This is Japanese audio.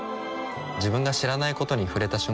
自分が知らないことに触れた瞬間